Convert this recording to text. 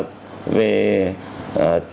trong cơ chế bệnh sinh